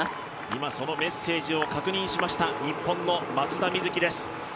今、そのメッセージを確認しました日本の松田瑞生です。